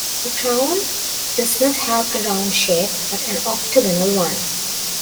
The crown does not have a round shape, but an octagonal one.